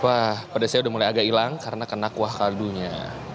wah pedasnya udah mulai agak hilang karena kena kuah kaldunya